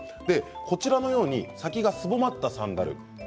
こちらのように先がすぼまったサンダル